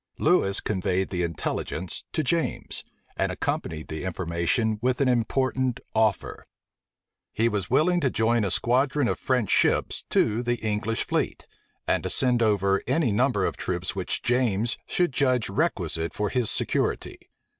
Lewis conveyed the intelligence to James, and accompanied the information with an important offer. He was willing to join a squadron of French ships to the English fleet; and to send over any number of troops which James should judge requisite for his security.